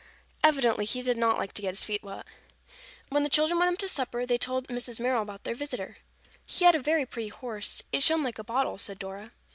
Evidently he did not like to get his feet wet. When the children went up to supper they told Mrs. Merrill about their visitor. "He had a very pretty horse. It shone like a bottle," said Dora.